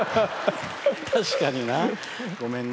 確かにな、ごめんね。